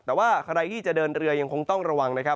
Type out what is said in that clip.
แต่ว่าใครที่จะเดินเรือยังคงต้องระวังนะครับ